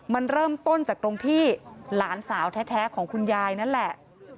มันเริ่มต้นจากตรงที่หลานสาวแท้ของคุณยายนั่นแหละ